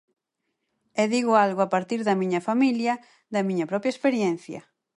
E digo algo a partir da miña familia, da miña propia experiencia.